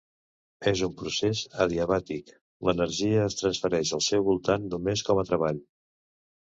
En un procés adiabàtic, l'energia es transfereix al seu voltant només com a treball.